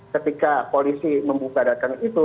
ketika polisi membubarkan itu